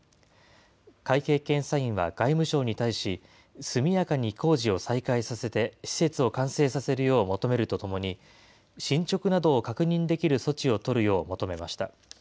会計検査院は外務省に対し、速やかに工事を再開させて、施設を完成させるよう求めるとともに、進捗などを確認できる措置を取るよう求めました。